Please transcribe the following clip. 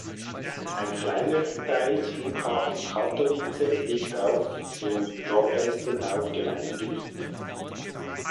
Ein kleinerer Teil des Flughafens Katowice liegt auf im Nordwesten auf Gemeindegebiet.